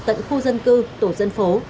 tận khu dân cư tổ dân phố